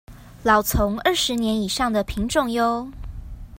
老欉二十年以上的品種唷